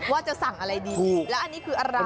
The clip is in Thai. ว่าจะสั่งอะไรดีแล้วอันนี้คืออะไร